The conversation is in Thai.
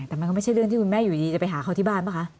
แต่มันก็ไม่ใช่เรื่องที่คุณแม่อยู่ดีจะไปหาเขาที่บ้านป่ะคะ